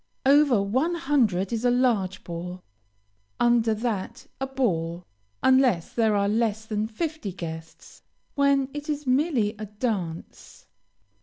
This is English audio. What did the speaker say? Over one hundred is a "large ball," under that a "ball," unless there are less than fifty guests, when it is merely a "dance."